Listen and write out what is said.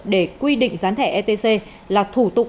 để quy định gián thẻ etc là thủ tục